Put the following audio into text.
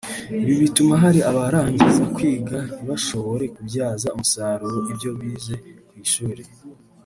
Ibi bituma hari abarangiza kwiga ntibashobore kubyaza umusaruro ibyo bize ku ishuri